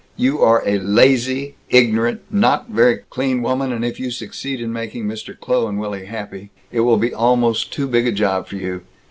You are a lazy, ignorant, not very clean woman, and if you succeed in making Mr. Kloh and Willy happy, it will be almost too big a job for you.